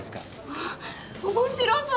おっ面白そう。